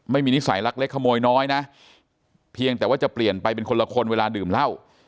นิสัยลักเล็กขโมยน้อยนะเพียงแต่ว่าจะเปลี่ยนไปเป็นคนละคนเวลาดื่มเหล้า